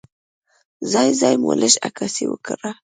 ځای ځای مو لږه عکاسي وکړه.